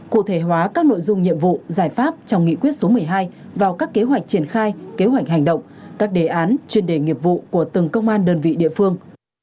cụ thể hóa các nội dung nhiệm vụ giải pháp trong nghị quyết số một mươi hai vào các kế hoạch triển khai kế hoạch hành động các đề án chuyên đề nghiệp vụ của từng công an đơn vị địa phương